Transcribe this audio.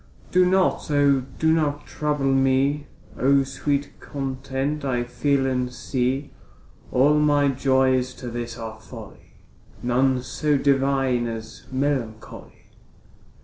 Do not, O do not trouble me, So sweet content I feel and see. All my joys to this are folly, None so divine as melancholy.